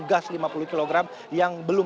gas lima puluh kg yang belum